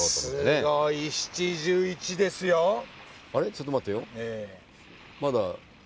ちょっと待ってよ。